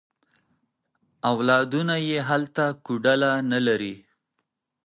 اولادونه یې هلته کوډله نه لري.